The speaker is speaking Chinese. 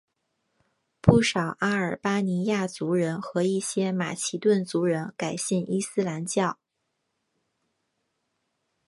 不少阿尔巴尼亚族人和一些马其顿族人改信伊斯兰教。